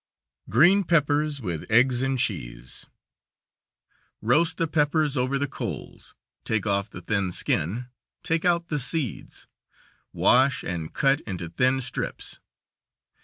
Green peppers with eggs and cheese: Roast the peppers over the coals, take off the thin skin, take out the seeds, wash and cut into thin strips.